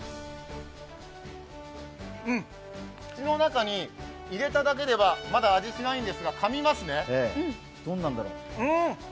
うん、口の中に入れただけではまだ味しないんですがかみますね、どんなんだろう。